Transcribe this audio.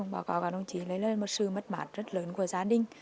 báo cáo đồng chí lấy lại một sự mất mạc rất lớn của gia đình